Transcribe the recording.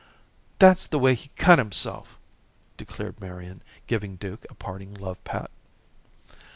"That's the way he cut himself," declared Marian, giving Duke a parting love pat.